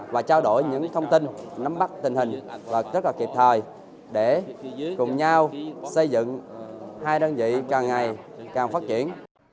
và trao đổi những thông tin nắm bắt tình hình rất là kịp thời để cùng nhau xây dựng hai đơn vị càng ngày càng phát triển